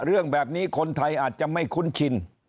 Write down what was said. เรื่องแบบนี้คนไทยอาจจะไม่คุ้นชิน